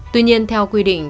tuy nhiên theo quy định